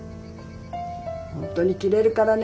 本当に切れるからね。